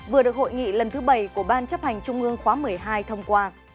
vừa được hội nghị lần thứ bảy của ban chấp hành trung ương khóa một mươi hai thông qua